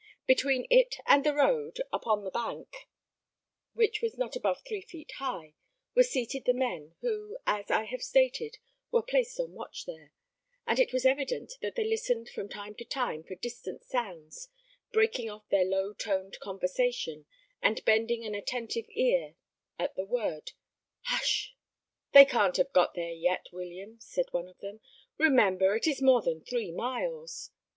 Between it and the road, upon the bank, which was not above three feet high, were seated the men, who, as I have stated, were placed on watch there; and it was evident that they listened from time to time, for distant sounds, breaking off their low toned conversation, and bending an attentive ear at the word 'Hush!' "They can't have got there yet, William," said one of them. "Remember, it is more than three miles."